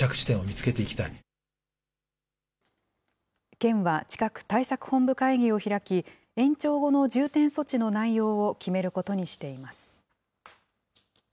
県は近く、対策本部会議を開き、延長後の重点措置の内容を決めることにしています。